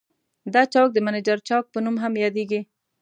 دا چوک د منجر چوک په نوم هم یادیږي.